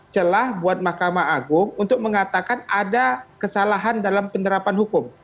celah buat mahkamah agung untuk mengatakan ada kesalahan dalam penerapan hukum